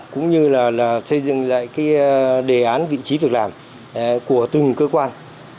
cũng như là xây dựng lại cái đề án vị trí việc làm của từng cơ quan